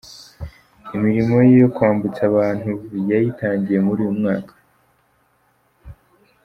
Imirimo ye yo kwambutsa abantu yayitangiye muri uyu mwaka.